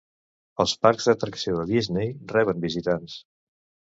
Els parcs d'atracció de Disney reben visitants